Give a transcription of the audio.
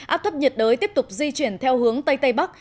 áp thấp nhiệt đới tiếp tục di chuyển theo hướng tây tây bắc